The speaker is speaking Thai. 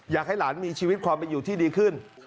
อยากให้หลานมีชีวิตความเป็นอยู่ที่ดีขึ้น